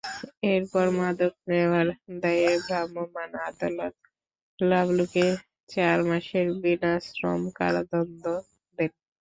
এরপর মাদক নেওয়ার দায়ে ভ্রাম্যমাণ আদালত লাবলুকে চার মাসের বিনাশ্রম কারাদণ্ড দেন।